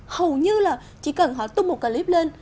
hầu như là chỉ cần họ tung một clip lên